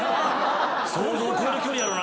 想像を超える距離やろな。